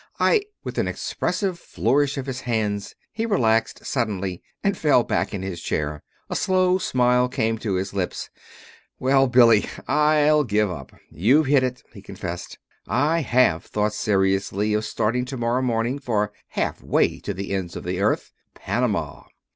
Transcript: "I " With an expressive flourish of his hands he relaxed suddenly, and fell back in his chair. A slow smile came to his lips. "Well, Billy, I'll give up. You've hit it," he confessed. "I have thought seriously of starting to morrow morning for half way to the ends of the earth Panama."